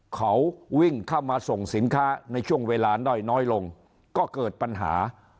เขาวิ่งเข้ามาส่งสินค้าในช่วงเวลาด้อยน้อยลงก็เกิดปัญหา